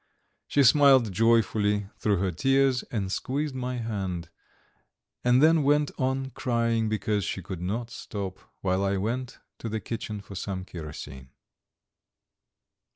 She smiled joyfully through her tears and squeezed my hand, and then went on crying because she could not stop, while I went to the kitchen for some kerosene.